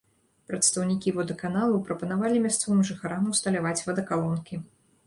Прадстаўнікі водаканалу прапанавалі мясцовым жыхарам усталяваць вадакалонкі.